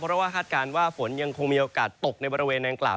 เพราะว่าคาดการณ์ว่าฝนยังคงมีโอกาสตกในบริเวณนางกล่าว